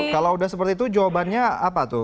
kalau udah seperti itu jawabannya apa tuh